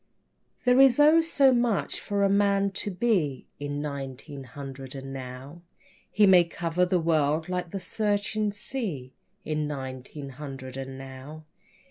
There is oh, so much for a man to be In nineteen hundred and now. He may cover the world like the searching sea In nineteen hundred and now.